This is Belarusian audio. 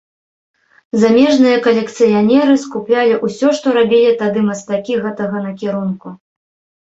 Замежныя калекцыянеры скуплялі ўсё, што рабілі тады мастакі гэтага накірунку.